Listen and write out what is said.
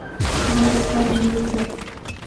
بھارت کا امیر تر